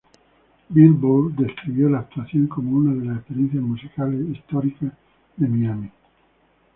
Billboard describió la actuación como una de las experiencias musicales históricas de Miami.